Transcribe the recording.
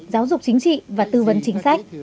giáo dục chính trị và tư vấn chính sách